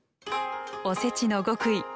おせちの極意。